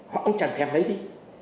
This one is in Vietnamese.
họ cũng chẳng thèm lấy đi